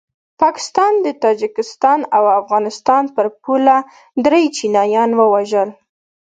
پاکستان د تاجکستان او افغانستان پر پوله دري چینایان ووژل